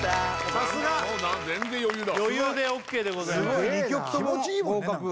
さすが全然余裕だ余裕でＯＫでございます